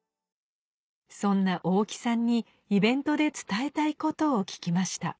そんな大木さんにイベントで伝えたいことを聞きました